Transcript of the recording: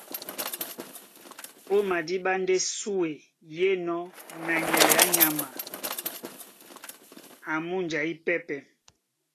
Ó madíɓá ndé súe í enɔ́ na nyay á nyama a múnja ípɛ́pɛ̄.